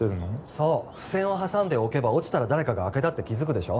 そう付箋を挟んでおけば落ちたら誰かが開けたって気づくでしょ